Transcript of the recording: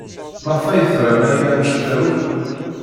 Maɣef ay tram aya anect-a akk?